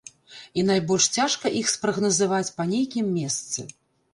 І найбольш цяжка іх спрагназаваць па нейкім месцы.